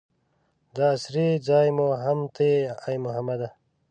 د اسرې ځای مو هم ته یې ای محمده.